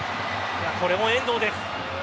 これも遠藤です。